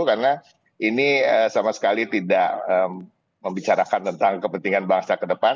karena ini sama sekali tidak membicarakan tentang kepentingan bangsa ke depan